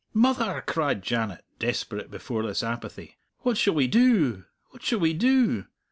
"Mother!" cried Janet, desperate before this apathy, "what shall we do? what shall we do?